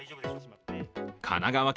神奈川県